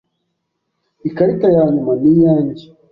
Ikarita yanyuma ni iyanjye.